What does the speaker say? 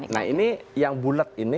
nah ini yang bulet ini